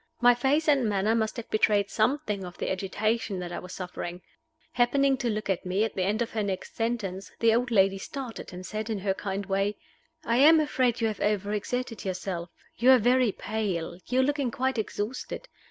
My face and manner must have betrayed something of the agitation that I was suffering. Happening to look at me at the end of her next sentence, the old lady started, and said, in her kindly way, "I am afraid you have overexerted yourself. You are very pale you are looking quite exhausted.